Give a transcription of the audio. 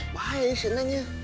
bahaya sih nenek